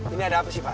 ini ada apa sih pak